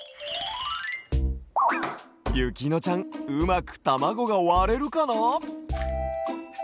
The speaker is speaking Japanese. ゆきのちゃんうまくたまごがわれるかな？